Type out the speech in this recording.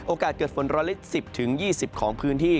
โอกาสเกิดฝน๑๑๐๒๐ของพื้นที่